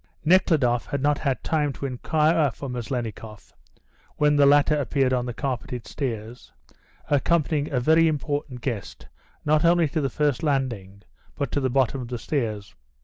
Nekhludoff had not had time to inquire for Maslennikoff, when the latter appeared on the carpeted stairs, accompanying a very important guest not only to the first landing but to the bottom of the stairs.